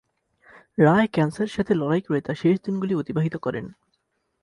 রায় ক্যান্সারের সাথে লড়াই করে তার শেষ দিনগুলি অতিবাহিত করেন।